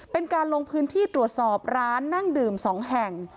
เป็นการลงพื้นที่ตรวจสอบร้านนั่งดื่ม๒แห่ง